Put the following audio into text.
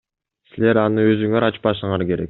Силер аны өзүңөр ачпашыңар керек.